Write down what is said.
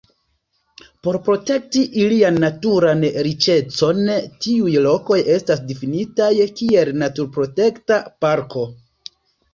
Por protekti ilian naturan riĉecon tiuj lokoj estas difinitaj kiel naturprotekta parko.